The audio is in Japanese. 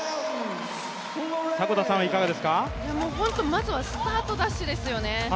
まずはスタートダッシュですよね。